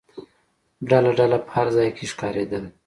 ډله ډله په هر ځای کې ښکارېدل.